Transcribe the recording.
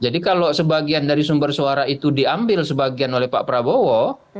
jadi kalau sebagian dari sumber suara itu diambil sebagian oleh pak prabowo